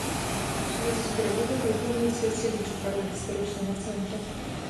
У сувязі з перабудоваю плануецца адсяліць жыхароў гістарычнага цэнтра.